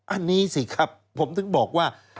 อันนี้สิครับผมถึงบอกว่า